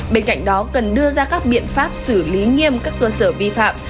bên cạnh đó cần đưa ra các biện pháp xử lý nghiêm các cơ sở vi phạm